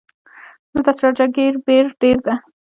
دلته شارجه ګې بیړ ډېر ده.